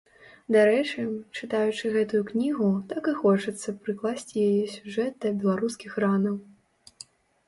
Дарэчы, чытаючы гэтую кнігу, так і хочацца прыкласці яе сюжэт да беларускіх ранаў.